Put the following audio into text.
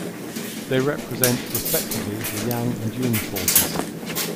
They represent respectively the yang and yin forces.